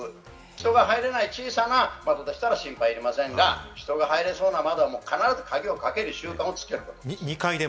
人が入れない、小さな窓でしたら心配はいりませんが、人が入れそうな窓は必ず鍵をかける習慣をつける。